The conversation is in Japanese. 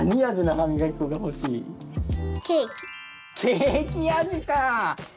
ケーキ味かぁ。